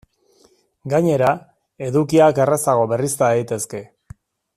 Gainera, edukiak errazago berrizta daitezke.